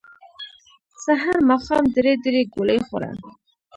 سحر ماښام درې درې ګولۍ خوره